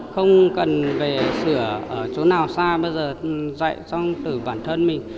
không cần về sửa ở chỗ nào xa bây giờ dạy trong tự bản thân mình